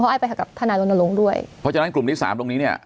เพราะไอ้ไปกับธนาโรนโรงด้วยเพราะฉะนั้นกลุ่มที่สามตรงนี้เนี้ย